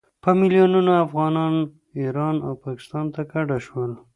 په میلونونو افغانان ایران او پاکستان ته کډه شول.